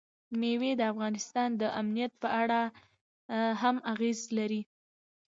مېوې د افغانستان د امنیت په اړه هم اغېز لري.